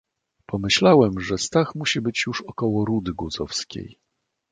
"Pomyślałem, że Stach musi już być około Rudy Guzowskiej."